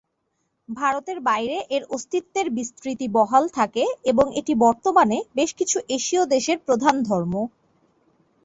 ভারতের বাইরে এর অস্তিত্বের বিস্তৃতি বহাল থাকে এবং এটি বর্তমানে বেশ কিছু এশীয় দেশের প্রধান ধর্ম।